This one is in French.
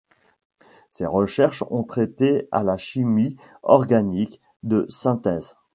Ses recherches ont trait à la chimie organique de synthèse.